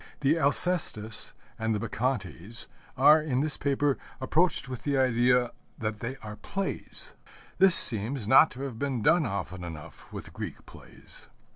The Alcestis and the Bacchantes are, in this paper, approached with the idea that they are plays. This seems not to have been done often enough with Greek plays.